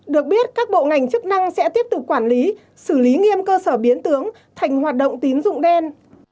được biết các bộ ngành chức năng sẽ tiếp tục quản lý xử lý nghiêm cơ sở biến tướng thành hoạt động tín dụng đen